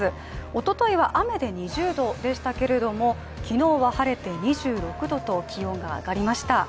おとといは雨で２０度でしたけれども、昨日は晴れて２６度と、気温が上がりました。